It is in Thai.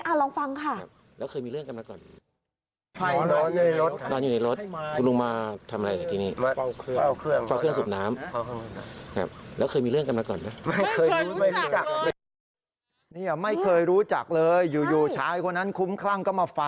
อ่ะลองฟังค่ะค่ะแล้วเคยมีเรื่องกำลังจ่ะ